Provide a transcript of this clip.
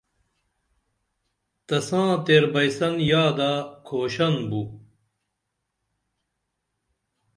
تساں تیر بئیسن یادہ کھوشن بو